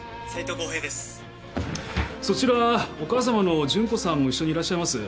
そちらはお母さまの順子さんも一緒にいらっしゃいます？